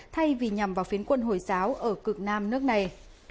thay vì nhằm vào phiến quân hồi giáo ở cực nam nước này